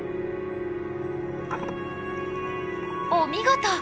お見事！